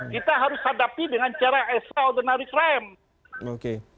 kita harus hadapi dengan cara s ordinary crime